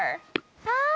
ああ！